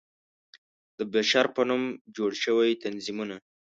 د بشر په نوم جوړ شوى تنظيمونه